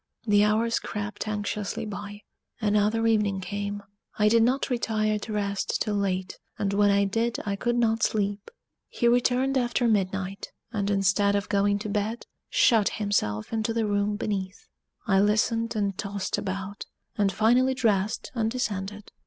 The hours crept anxiously by: another evening came. I did not retire to rest till late, and when I did I could not sleep. He returned after midnight, and instead of going to bed, shut himself into the room beneath. I listened and tossed about, and finally dressed and descended.